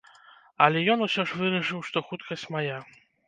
Але ён усё ж вырашыў, што хуткасць мая.